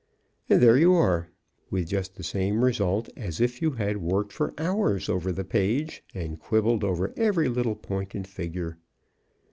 And there you are, with just the same result as if you had worked for hours over the page and quibbled over every little point and figure.